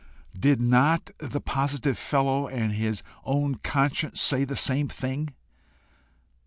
did not the positive fellow and his own conscience say the same thing?